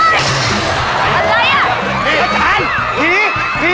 ผีกระโดดขาเตี้ยเลย